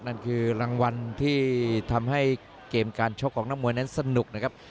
นั่นคือรางวัลที่ทำให้เกมการชกของนักมวยนั้นสนุกนะครับ